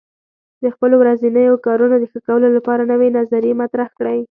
د خپلو ورځنیو کارونو د ښه کولو لپاره نوې نظریې مطرح کړئ.